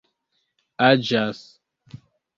aĝas